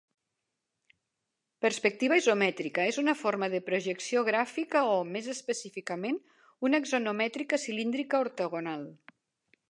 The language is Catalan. Perspectiva isomètrica: és una forma de projecció gràfica o, més específicament, una axonomètrica cilíndrica ortogonal.